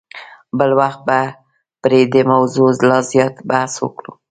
بل وخت به پر دې موضوع لا زیات بحث وکړو.